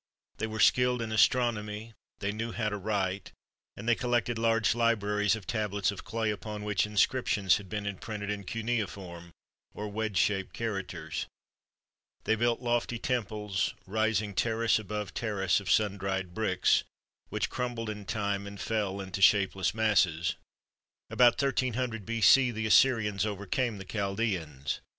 They were skilled in astronomy, they knew how to write, and they collected large libraries of tab lets of clay upon which inscriptions had been imprinted in cuneiform, or wedge shaped characters. They built lofty temples, rising terrace above terrace, of sun dried bricks, which crumbled in time and fell into shapeless masses. About 1300 B.C. the Assyrians overcame the Chaldaeans.